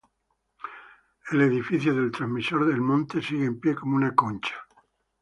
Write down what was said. El edificio del transmisor El Monte sigue en pie como una concha.